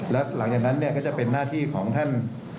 แล้วหลังจากนั้นก็จะเป็นหน้าที่ของท่าน